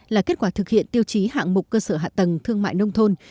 là kết quả thực hiện tiêu chí hạng mục cơ sở hạ tầng thương mại nông thôn